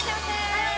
はい！